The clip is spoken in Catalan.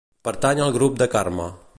Pertany al grup de Carme.